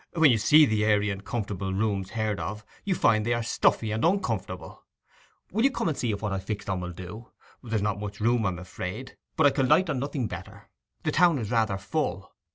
When you see the airy and comfortable rooms heard of, you find they are stuffy and uncomfortable. Will you come and see if what I've fixed on will do? There is not much room, I am afraid; hut I can light on nothing better. The town is rather full.